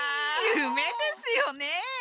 ゆめですよね。